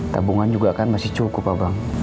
tabungan juga kan masih cukup abang